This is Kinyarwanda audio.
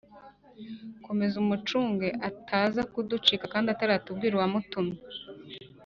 komeza umucunge ataza kuducika kandi ataratubwira uwa mutumye